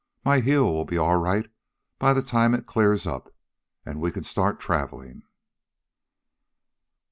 My heel will be all right by the time it clears up and we can start traveling."